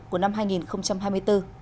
của năm hai nghìn hai mươi bốn